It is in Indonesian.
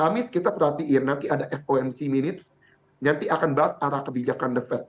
kamis kita perhatiin nanti ada fomc minutes nanti akan bahas arah kebijakan the fed